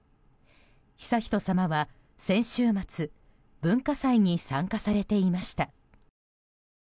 悠仁さまは先週末文化祭に参加されていました。